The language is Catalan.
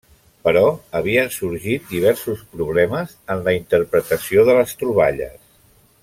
Però havien sorgit diversos problemes en la interpretació de les troballes.